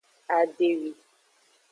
Adewi.